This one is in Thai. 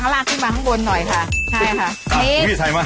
อันนี้พี่พี่ใส่ไหม